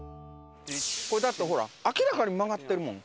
これだってほら明らかに曲がってるもん。